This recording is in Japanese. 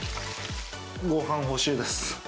ごはん、欲しいです。